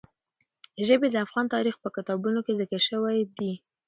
ژبې د افغان تاریخ په کتابونو کې ذکر شوی دي.